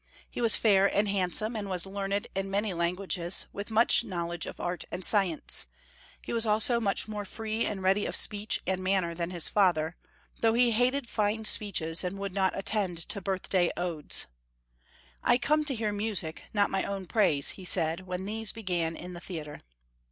He was fair and handsome, and was learned in many languages, with much knowledge of art and science ; he was also much more free and ready of speech and manner than his father, though he hated fine speeches, and would not attend to birthday odes. "I come to hear music, not my own praise," he said, when these began in the theatre.